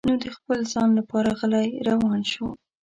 نو د خپل ځان لپاره غلی روان شو.